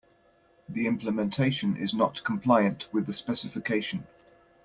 The implementation is not compliant with the specification.